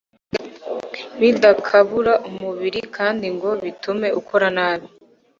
bidakabura umubiri kandi ngo bitume ukora nabi